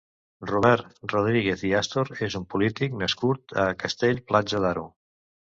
Robert Rodríguez i Astor és un polític nascut a Castell-Platja d'Aro.